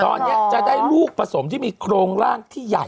ตอนนี้จะได้ลูกผสมที่มีโครงร่างที่ใหญ่